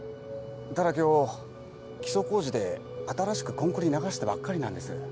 ただ今日基礎工事で新しくコンクリ流したばっかりなんです。